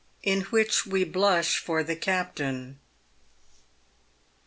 IN WHICH WE BLUSH FOR THE CAPTAIN.